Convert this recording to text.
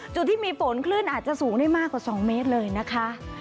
จุดที่มีฝนคลื่นอาจจะสูงได้มากกว่า๒เมตรเลยนะคะ